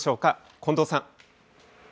近藤さん。